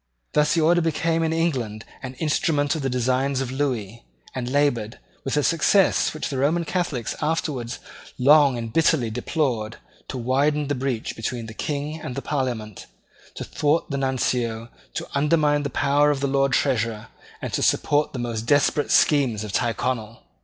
Thus the Order became in England an instrument of the designs of Lewis, and laboured, with a success which the Roman Catholics afterwards long and bitterly deplored, to widen the breach between the King and the Parliament, to thwart the Nuncio, to undermine the power of the Lord Treasurer, and to support the most desperate schemes of Tyrconnel.